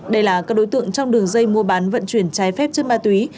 đây là các đối tượng trong đường dây mua bán vận chuyển trái phép chất ma túy